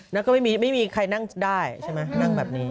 แล้วก็ไม่มีไม่มีใครนั่งได้ใช่ไหมนั่งแบบนี้